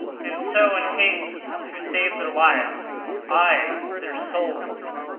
And so, in haste to save their lives (aye, and their souls!